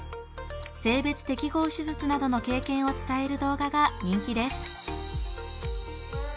性別適合手術などの経験を伝える動画が人気です。